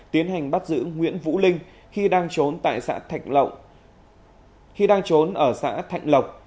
tiến hành bắt giữ nguyễn vũ linh khi đang trốn ở xã thạnh lộc